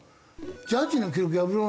ジャッジの記録破ろう